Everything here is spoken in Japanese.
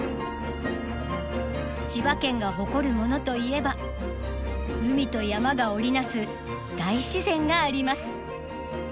千葉県が誇るものといえば海と山が織り成す大自然があります。